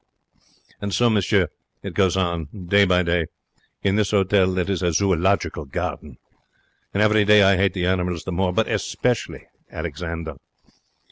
And so, monsieur, it goes on, day by day, in this hotel that is a Zoological Garden. And every day I 'ate the animals the more. But especially Alexander.